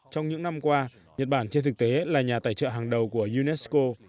trong những năm qua nhật bản trên thực tế là nhà tài trợ hàng đầu của unesco